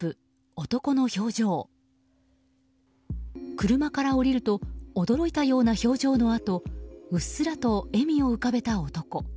車から降りると驚いたような表情のあとうっすらと笑みを浮かべた男。